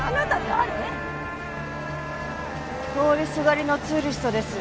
通りすがりのツーリストです。